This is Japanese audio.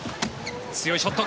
強いショット。